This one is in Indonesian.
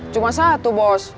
cuma satu bos